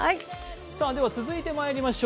続いてまいりましょう。